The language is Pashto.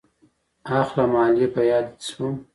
اخله مالې په ياده دې شوم.